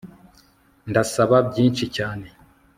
Ndasaba byinshi cyane